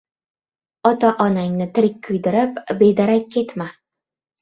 — Ota-onangni tirik kuydirib, bedarak ketma;